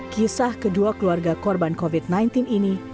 kisah kedua keluarga korban covid sembilan belas ini